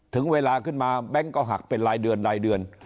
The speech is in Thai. ถึงเวลาขึ้นมาแบงค์ก็หักเป็นรายเดือนรายเดือน